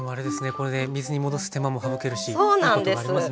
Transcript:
これで水に戻す手間も省けるしいいことがありますね。